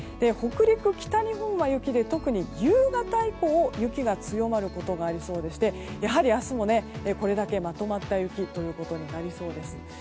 北陸、北日本は雪で特に夕方以降、雪が積もることがありそうでして明日もこれだけまとまった雪ということになりそうです。